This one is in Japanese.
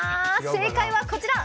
正解はこちら！